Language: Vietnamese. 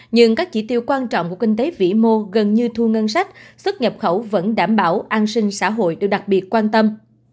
nhưng các chỉ tiêu quan trọng của kinh tế vĩ mô gần như thu ngân sách xuất nhập khẩu vẫn đảm bảo an sinh xã hội được đặc biệt quan tâm